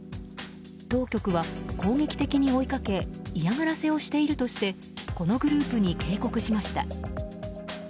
当局は攻撃的に追いかけ嫌がらせをしているとしてこのグループに警告しました。